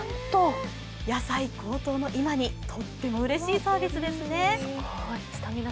野菜高騰の今にとってもうれしいサービスですね。